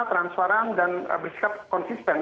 transparan dan bersikap konsisten